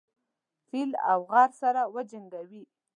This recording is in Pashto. فيل او غر سره وجنګوي.